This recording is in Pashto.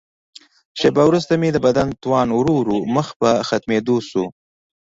شیبه وروسته مې د بدن توان ورو ورو مخ په ختمېدو شو.